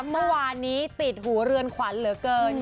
เมื่อวานนี้ติดหูเรือนขวัญเหลือเกิน